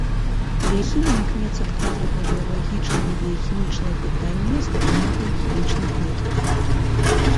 Біяхімія імкнецца адказваць на біялагічныя і біяхімічныя пытанне з дапамогай хімічных метадаў.